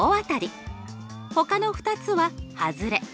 ほかの２つは外れ。